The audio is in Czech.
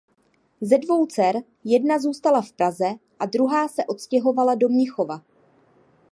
Ze dvou dcer jedna zůstala v Praze a druhá se odstěhovala do Mnichova.